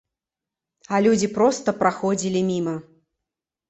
А людзі проста праходзілі міма.